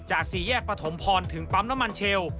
จาก๔แยกประถมพรถึงปั๊มน้ำมันเชลล์